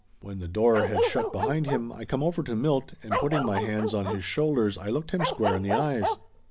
When the door had shut behind him I come over to Milt, and putting my hands on his shoulders I looked him square in the eyes.